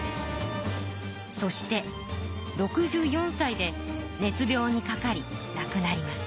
そして６４さいで熱病にかかりなくなります。